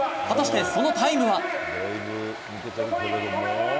果たして、そのタイムは？